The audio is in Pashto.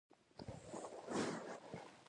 د معنوي په مديريت ايراني او روسي پانګې.